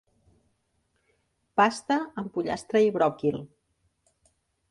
Pasta amb pollastre i bròquil.